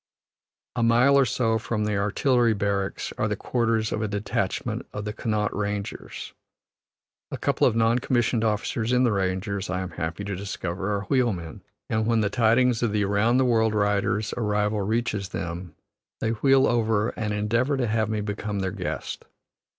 A mile or so from the Artillery barracks are the quarters of a detachment of the Connaught Rangers. A couple of non commissioned officers in the Rangers, I am happy to discover, are wheelmen, and when the tidings of the Around the World rider's arrival reaches them, they wheel over and endeavor to have me become their guest.